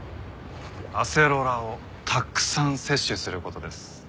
アセロラをたくさん摂取する事です。